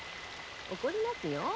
怒りますよ。